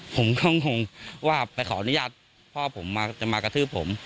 ผมก็งงว่าไปขออนุญาตพ่อผมมาจะมากระทืบผม